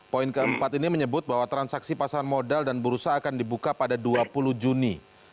poin keempat ini menyebut bahwa transaksi pasar modal dan bursa akan dibuka pada dua puluh juni